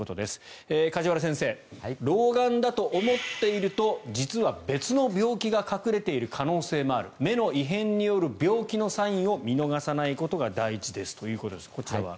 梶原先生老眼だと思っていると実は別の病気が隠れている可能性もある目の異変による病気のサインを見逃さないことが大事ですということですが、こちらは？